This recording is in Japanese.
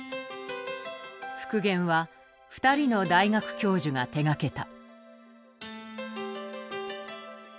復元は２人の大学教授が手がけた。